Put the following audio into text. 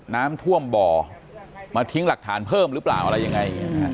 น้ำท่วมบ่อมาทิ้งหลักฐานเพิ่มหรือเปล่าอะไรยังไง